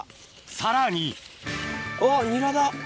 さらにあっニラだ。